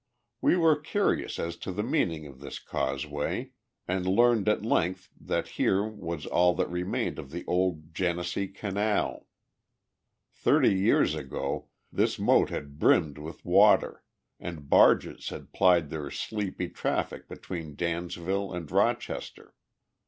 We were curious as to the meaning of this causeway, and learned at length that here was all that remained of the old Genesee Canal. Thirty years ago, this moat had brimmed with water, and barges had plied their sleepy traffic between Dansville and Rochester.